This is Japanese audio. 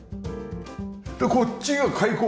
でこっちが開口。